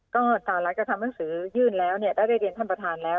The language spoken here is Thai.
ก็หลังจากทำหนังสือยื่นแล้วเนี่ยได้เรียนท่านประธานแล้ว